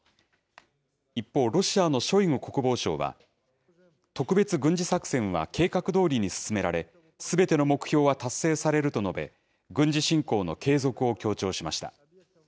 一方、ロシアのショイグ国防相は、特別軍事作戦は計画どおりに進められ、すべての目標は達成されると述べ、軍事侵攻の継続を強調しました。